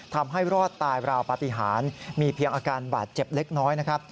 ทำให้รอดตายราวปฏิหารมีเพียงอาการบาดเจ็บเล็กน้อยนะครับ